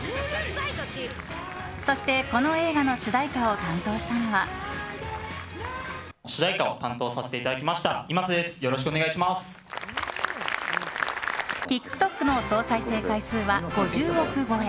そしてこの映画の主題歌を担当したのはＴｉｋＴｏｋの総再生回数は５０億超え！